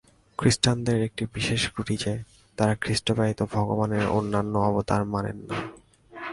খ্রীষ্টানদের এটি বিশেষ ত্রুটি যে, তাঁহারা খ্রীষ্ট ব্যতীত ভগবানের অন্যান্য অবতার মানেন না।